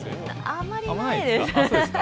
あまりないです。